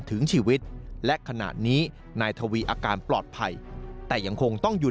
ถึงชีวิตและขณะนี้นายทวีอาการปลอดภัยแต่ยังคงต้องหยุด